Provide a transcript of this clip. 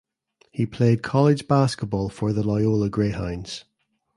He played college basketball for the Loyola Greyhounds.